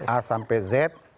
a sampai z